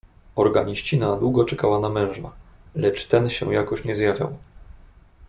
"Organiścina długo czekała na męża, lecz ten się jakoś nie zjawiał."